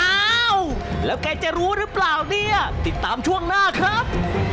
อ้าวแล้วแกจะรู้หรือเปล่าเนี่ยติดตามช่วงหน้าครับ